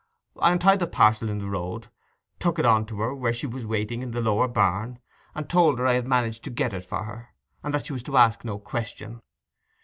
I untied the parcel in the road, took it on to her where she was waiting in the Lower Barn, and told her I had managed to get it for her, and that she was to ask no question.